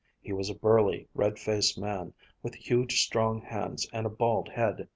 He was a burly, red faced man, with huge strong hands and a bald head.